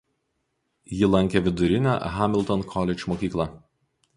Ji lankė vidurinę Hamilton College mokyklą.